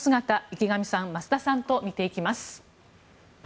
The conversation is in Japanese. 池上さん、増田さんと見ていきます。